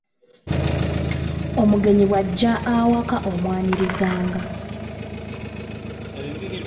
Omugenyi bw’ajja awaka omwanirizanga.